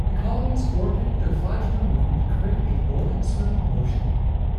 The colonies co-ordinate their flagellar movement to create a rolling, swimming motion.